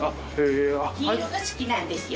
黄色が好きなんですよ。